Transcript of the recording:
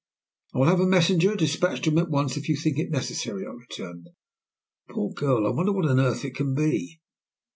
"I will have a messenger despatched to him at once if you think it necessary," I returned. "Poor girl, I wonder what on earth it can be?"